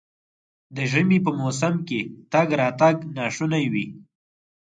د ژمي په موسم کې تګ راتګ ناشونی وي.